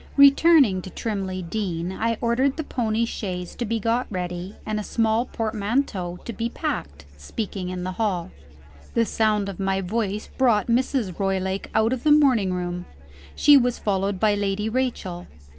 Returning to Trimley Deen, I ordered the pony chaise to be got ready, and a small portmanteau to be packed speaking in the hall. The sound of my voice brought Mrs. Roylake out of the morning room. She was followed by Lady Rachel.